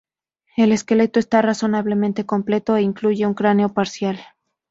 El esqueleto está razonablemente completo e incluye un cráneo parcial.